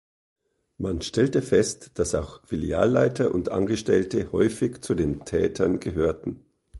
Man stellte fest, dass auch Filialleiter und Angestellte häufig zu den Tätern gehörten.